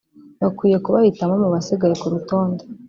bakwiye kubahitamo mu basigaye ku rutonde